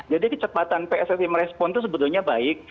jadi kecepatan pssi merespon itu sebetulnya baik